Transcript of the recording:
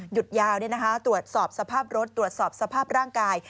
หยุดยาวตรวจสอบสภาพรถตรวจสอบสภาพร่างกาย